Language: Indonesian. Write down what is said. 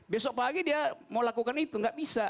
besok pagi dia mau lakukan itu nggak bisa